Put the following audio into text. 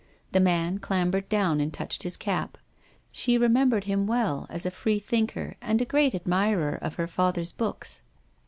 The man clambered down and touched his cap. She remembered him well as a freethinker, and a great ad mirer of her father's books.